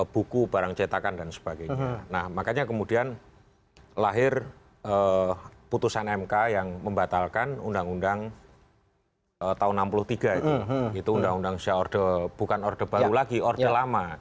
buku barang cetakan dan sebagainya nah makanya kemudian lahir putusan mk yang membatalkan undang undang tahun seribu sembilan ratus enam puluh tiga itu itu undang undang usia order bukan orde baru lagi orde lama